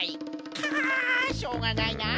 かしょうがないな。